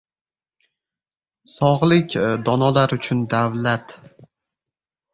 Sog‘lik — donolar uchun davlat.